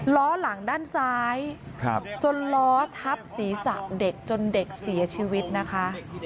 ล้อหลังด้านซ้ายจนล้อทับศีรษะเด็กจนเด็กเสียชีวิตนะคะ